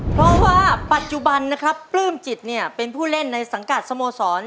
เพราะว่าปัจจุบันนะครับปลื้มจิตเนี่ยเป็นผู้เล่นในสังกัดสโมสร